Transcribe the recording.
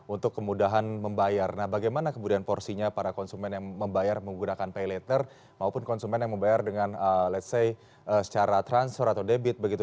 untuk kemudahan membayar nah bagaimana kemudian porsinya para konsumen yang membayar menggunakan pay letter maupun konsumen yang membayar dengan ⁇ lets ⁇ say secara transfer atau debit begitu